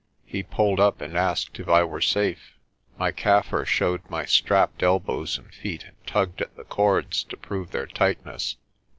He pulled up and asked if I were safe. My Kaffir showed my strapped elbows and feet, and tugged at the cords to prove their tightness.